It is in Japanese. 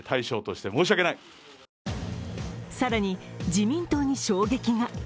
更に自民党に衝撃が。